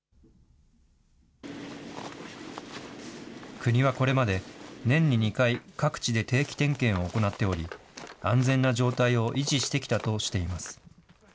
国はこれまで、年に２回、各地で定期点検を行っており、安全な状態を維持してきたとしています。